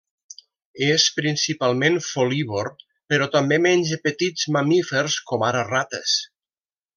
És principalment folívor, però també menja petits mamífers com ara rates.